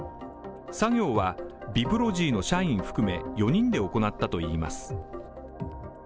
作業はビプロジーの社員含め４人で行ったといいます。